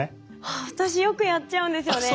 あっ私よくやっちゃうんですよね。